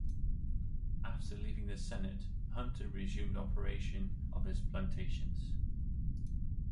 After leaving the Senate, Hunter resumed operation of his plantations.